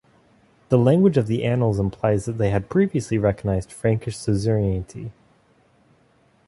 The language of the "Annals" implies that they had previously recognized Frankish suzerainty.